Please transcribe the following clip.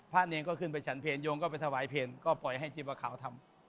เนรก็ขึ้นไปฉันเพลโยงก็ไปถวายเพลงก็ปล่อยให้ชีพะขาวทำ